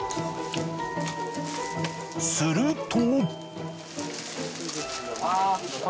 すると。